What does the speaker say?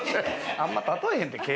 あんま例えへんって。